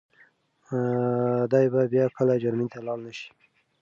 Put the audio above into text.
دی به بيا کله جرمني ته لاړ نه شي.